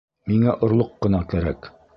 Миңә орлоҡ ҡына кәрәк.